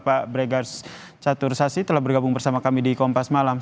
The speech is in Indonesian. agar satu resasi telah bergabung bersama kami di kompas malam